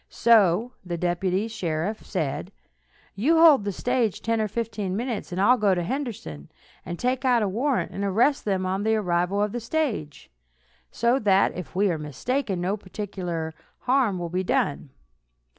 So the deputy sheriff said: "You hold the stage ten or fifteen minutes, and I'll go to Henderson, and take out a warrant, and arrest them on the arrival of the stage; so that, if we are mistaken, no particular harm will be done."